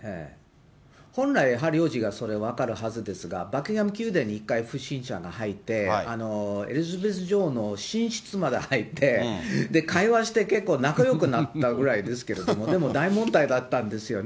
本来、ハリー王子がそれ分かるはずですが、バッキンガム宮殿に一回不審者が入って、エリザベス女王の寝室まで入って、会話して結構仲よくなったぐらいですけれども、でも大問題だったんですよね。